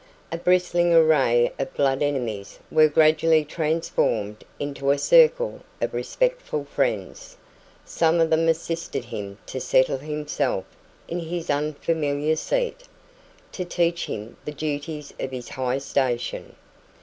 A bristling array of blood enemies were gradually transformed into a circle of respectful friends; some of them assisted him to settle himself in his unfamiliar seat, to teach him the duties of his high station.